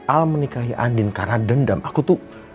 al menikahi andin karena dendam aku tuh